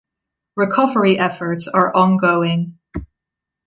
Recovery efforts are on-going.